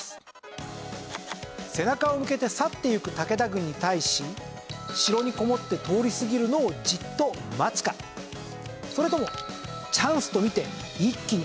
背中を向けて去って行く武田軍に対し城にこもって通り過ぎるのをじっと待つかそれともチャンスと見て一気に襲いかかるか。